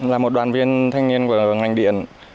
là một đoàn viên thanh niên của ngành điện